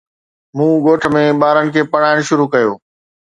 مون ڳوٺ ۾ ٻارن کي پڙهائڻ شروع ڪيو